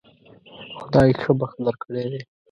خدای ښه بخت درکړی دی